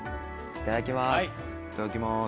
いただきます。